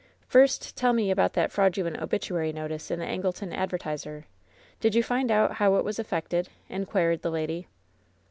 "First, tell me about that fraudulent obituary notice in the Angleton Advertiser. Did you find out how it was effected ?" inquired the lady.